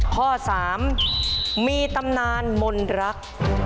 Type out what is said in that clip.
ข้อ๓มีตำนานมนรัก